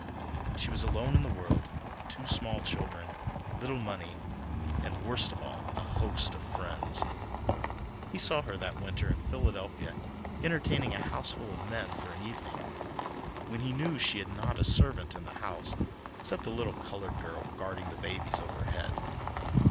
She was alone in the world, with two small children, little money, and, worst of all, a host of friends. He saw her that winter in Philadelphia entertaining a houseful of men for an evening, when he knew she had not a servant in the house except the little colored girl guarding the babies overhead.